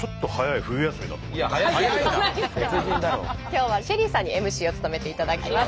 今日はＳＨＥＬＬＹさんにＭＣを務めていただきます。